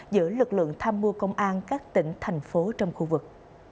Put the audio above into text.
giữa lực lượng tham mưu công an các tỉnh thành phố trong khu vực